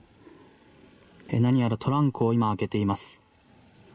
何やらトランクを今、開けています。